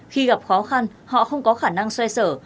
khi gặp khó khăn họ không có khả năng xoay sở